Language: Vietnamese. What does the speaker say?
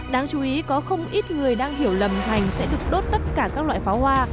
đáng chú ý có không ít người đang hiểu lầm thành sẽ được đốt tất cả các loại pháo hoa